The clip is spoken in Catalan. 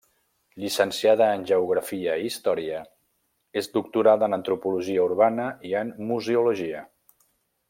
Llicenciada en geografia i història, és doctorada en antropologia urbana i en museologia.